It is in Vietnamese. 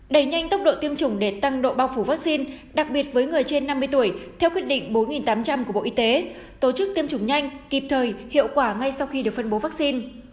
đẩy nhanh tốc độ tiêm chủng để tăng độ bao phủ vaccine đặc biệt với người trên năm mươi tuổi theo quyết định bốn tám trăm linh của bộ y tế tổ chức tiêm chủng nhanh kịp thời hiệu quả ngay sau khi được phân bố vaccine